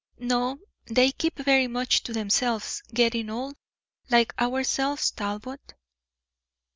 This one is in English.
"No, they keep very much to themselves; getting old, like ourselves, Talbot."